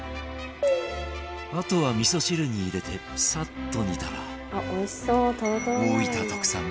あとは、みそ汁に入れてさっと煮たら大分特産